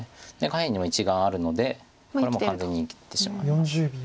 下辺にも１眼あるのでこれは完全に生きてしまいます。